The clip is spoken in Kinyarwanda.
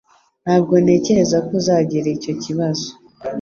Ntabwo ntekereza ko uzagira icyo kibazo.